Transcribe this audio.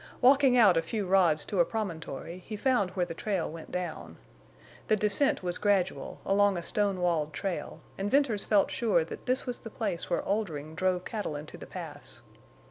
Walking out a few rods to a promontory, he found where the trail went down. The descent was gradual, along a stone walled trail, and Venters felt sure that this was the place where Oldring drove cattle into the Pass.